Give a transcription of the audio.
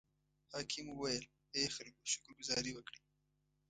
حاکم وویل: ای خلکو شکر ګذاري وکړئ.